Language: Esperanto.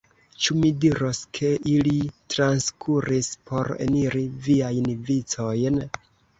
Ĉu mi diros, ke ili transkuris por eniri viajn vicojn?